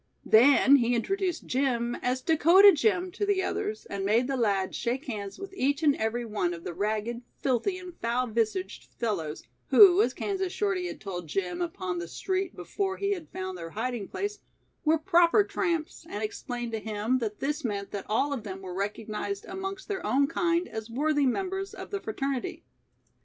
Then he introduced Jim as "Dakota Jim" to the others and made the lad shake hands with each and everyone of the ragged, filthy and foul visaged fellows, who, as Kansas Shorty had told Jim upon the street before he had found their hiding place, were "proper" tramps and explained to him that this meant that all of them were recognized amongst their own kind as worthy members of the fraternity.